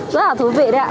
rất là thú vị đấy ạ